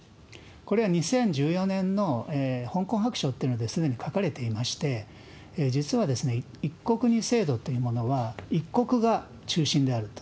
これは２０１４年の香港白書っていうのですでに書かれていまして、実は一国二制度というものは、一国が中心であると。